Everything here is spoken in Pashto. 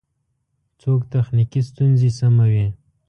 څوک تخنیکی ستونزی سموي؟